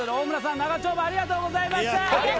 長丁場ありがとうございました！